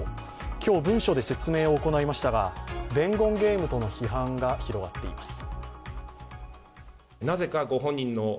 今日文書で説明を行いましたが、伝言ゲームとの批判が広がっています。